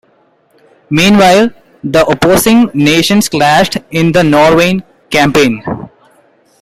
Meanwhile, the opposing nations clashed in the Norwegian Campaign.